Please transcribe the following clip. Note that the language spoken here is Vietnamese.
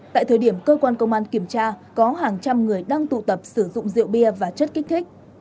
tại thời điểm cơ quan công an kiểm tra có hàng trăm người đang tụ tập sử dụng rượu bia và chất kích thích